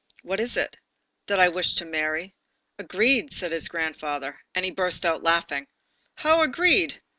"What is it?" "That I wish to marry." "Agreed," said his grandfather.—And he burst out laughing. "How agreed?"